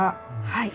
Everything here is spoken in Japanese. はい。